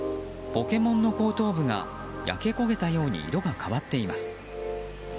ポケモンの後頭部が焼け焦げたように色が変わっています。